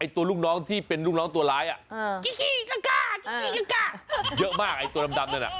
ก็คือเป็นนักสระ